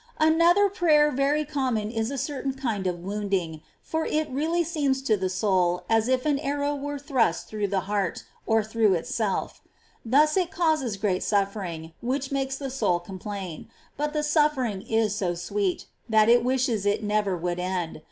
16. Another prayer very common is a certain kind of wounding ;^ for it really seems to the soul Se soui!*^ as if an arrow were thrust through the heart, or through itself. Thus it causes great suffering, which makes the soul complain ; but the suffering is so sweet, that it wishes it never would end.